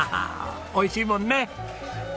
おいしいもんね！